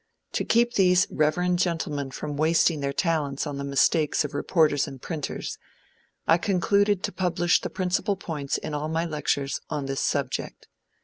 To keep these reverend gentlemen from wasting their talents on the mistakes of reporters and printers, I concluded to publish the principal points in all my lectures on this subject.